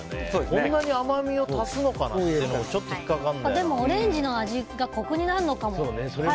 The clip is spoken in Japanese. こんなに甘みを足すのかなってのもでも、オレンジの味がコクになるのかも。